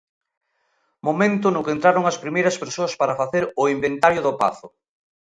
Momento no que entraron as primeiras persoas para facer o inventario do pazo.